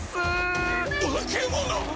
化け物！